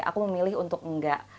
aku memilih untuk enggak